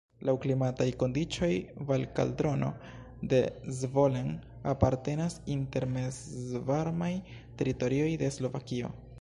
Laŭ klimataj kondiĉoj Valkaldrono de Zvolen apartenas inter mezvarmaj teritorioj de Slovakio.